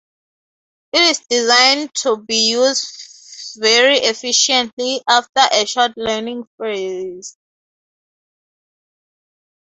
It is designed to be used very efficiently after a short learning phase.